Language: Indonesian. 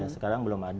sekarang belum ada